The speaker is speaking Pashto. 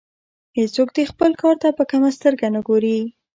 هیڅوک دې خپل کار ته په کمه سترګه نه ګوري.